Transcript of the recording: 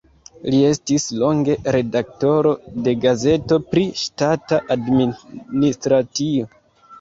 Li estis longe redaktoro de gazeto pri ŝtata adminisracio.